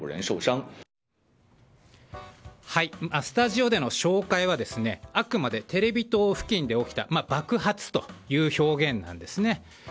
スタジオでの紹介は、あくまでテレビ塔付近で起きた爆発という表現なんです。